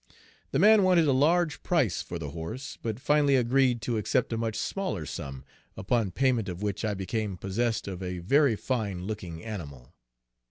The man wanted a large price for the horse, but finally agreed to accept a much smaller sum, upon payment of which I became possessed of a very fine looking animal.